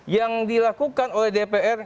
yang dilakukan oleh dpr